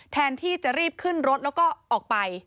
แทนที่จะรีบขึ้นรถแล้วก็ออกไป